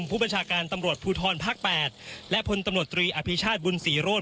ผู้บัญชาการตำลวดภูทรภิกษาภาคแปดและพลตำลดนุยอาพิชาชบุญสี่โรด